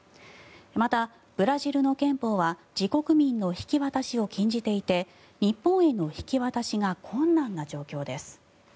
また、ブラジルの憲法は自国民の引き渡しを禁じていて日本への引き渡しが困難な状況です。